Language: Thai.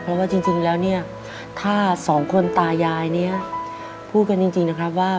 เพราะว่าจริงแล้วเนี่ยถ้าสองคนตายายนี้พูดกันจริงนะครับว่า